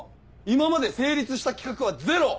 今まで成立した企画はゼロ！